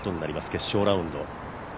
決勝ラウンド。